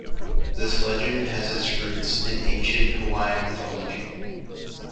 This legend has its roots in ancient Hawaiian mythology.